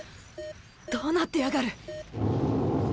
どうなってやがる！